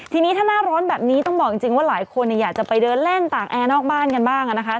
ทีนี้ถ้าหน้าร้อนแบบนี้ต้องบอกจริงว่าหลายคนอยากจะไปเดินเล่นตากแอร์นอกบ้านกันบ้างนะคะ